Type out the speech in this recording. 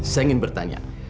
saya ingin bertanya